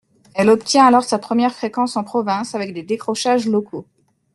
Elle obtient alors sa première fréquence en province avec des décrochages locaux.